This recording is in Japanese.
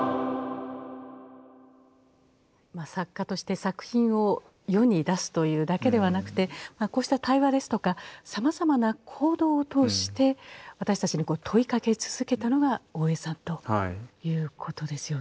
作家として作品を世に出すというだけではなくてこうした対話ですとかさまざまな行動を通して私たちに問いかけ続けたのが大江さんということですよね。